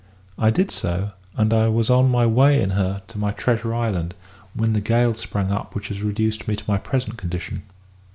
I did so; and was on my way in her to my treasure island, when the gale sprung up which has reduced me to my present condition.